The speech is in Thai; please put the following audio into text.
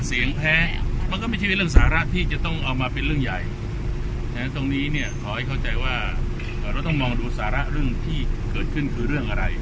เสียงกลิ่นน้ำนี่ไม่มีปัญหาสักหน่อ